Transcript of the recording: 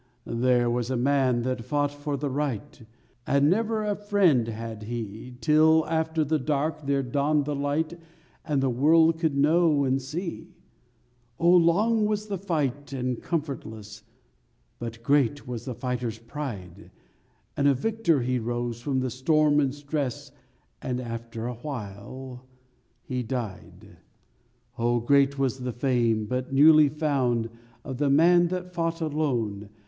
_ There was a man that fought for the right, And never a friend had he, 'Till after the dark there dawned the light And the world could know and see; Oh, long was the fight and comfortless, But great was the fighter's pride, And a victor he rose from the storm and stress— And after awhile he died. _Oh, great was the fame but newly found Of the man that fought alone!